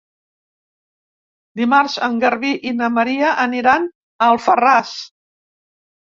Dimarts en Garbí i na Maria aniran a Alfarràs.